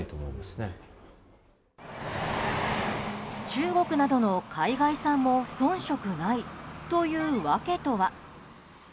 中国などの海外産も遜色ないという訳とは。